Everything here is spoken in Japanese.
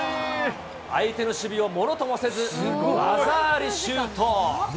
相手の守備をものともせず、技ありだ。